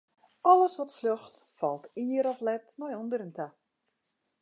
Alles wat fljocht, falt ier of let nei ûnderen ta.